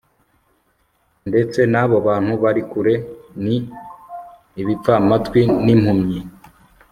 ndetse n'abo bantu bari kure ni ibipfamatwi n'impumyi